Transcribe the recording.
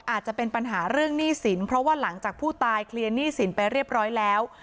อาจจะเป็นปัญหาเรื่องหนี้สินเพราะว่าหลังจากผู้ตายเคลียร์หนี้สินไปเรียบร้อยแล้ว